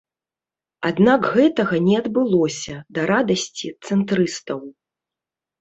Аднак гэтага не адбылося, да радасці цэнтрыстаў.